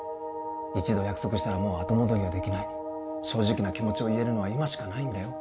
一度約束したらもう後戻りはできない正直な気持ちを言えるのは今しかないんだよ